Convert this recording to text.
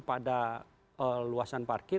pada luasan parkir